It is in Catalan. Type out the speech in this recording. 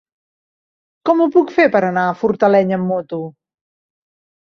Com ho puc fer per anar a Fortaleny amb moto?